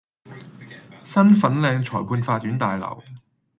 新粉嶺裁判法院大樓